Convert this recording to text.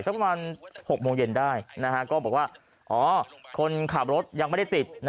สักประมาณ๖โมงเย็นได้ก็บอกว่าอ๋อคนขับรถยังไม่ได้ติด